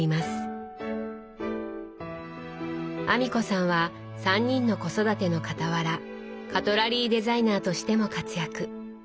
阿美子さんは３人の子育てのかたわらカトラリーデザイナーとしても活躍。